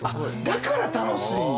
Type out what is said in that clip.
だから楽しいんや！